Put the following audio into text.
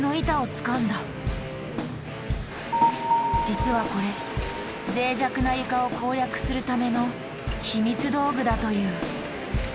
実はこれぜい弱な床を攻略するための秘密道具だという。